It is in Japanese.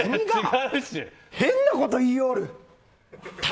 変なこと言いよる！